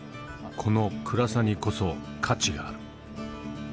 この暗さにこそ価値がある。